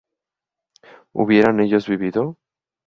¿hubieran ellos vivido?